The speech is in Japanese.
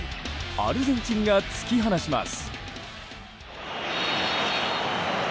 アルゼンチンが突き放します。